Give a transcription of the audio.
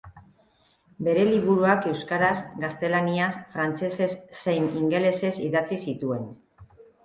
Bere liburuak euskaraz, gaztelaniaz, frantsesez zein ingelesez idatzi zituen.